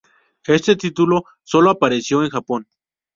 Este título solo apareció en Japón.